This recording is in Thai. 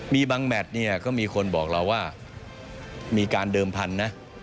มีบางแมทเนี่ยก็มีคนบอกเราว่ามีการเดิมพันธุ์นะ